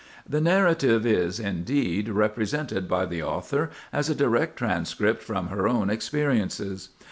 The narrative is, indeed, represented by the author as a direct transcript from her own experiences.